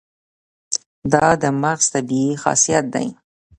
دا د مغز طبیعي خاصیت دی.